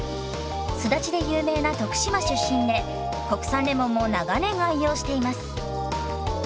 すだちで有名な徳島出身で国産レモンも長年愛用しています。